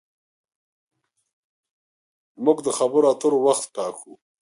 موږ د خبرو اترو وخت ټاکو.